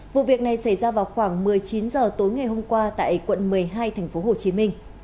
vụ việc này xảy ra vào khoảng một mươi chín h tối ngày hôm qua tại quận một mươi hai tp hcm